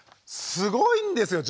すごいんですよ